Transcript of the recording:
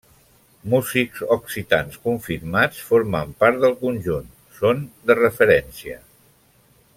Músics occitans confirmats formen part del conjunt, són de referència.